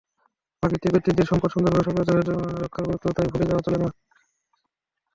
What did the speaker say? প্রাকৃতিক ঐতিহ্যের সম্পদ সুন্দরবনের স্বকীয়তা রক্ষার গুরুত্বও তাই ভুলে যাওয়া চলে না।